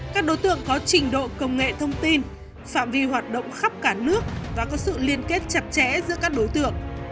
các đối tượng có trình độ công nghệ thông tin phạm vi hoạt động khắp cả nước và có sự liên kết chặt chẽ giữa các đối tượng